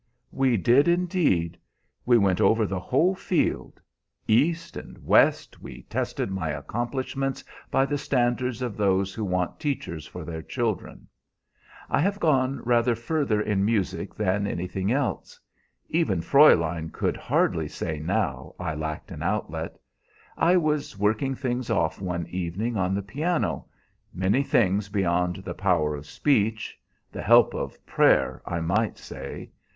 "We did, indeed. We went over the whole field. East and west we tested my accomplishments by the standards of those who want teachers for their children. I have gone rather further in music than anything else. Even Fräulein would hardly say now I lacked an outlet. I was working things off one evening on the piano many things beyond the power of speech the help of prayer, I might say.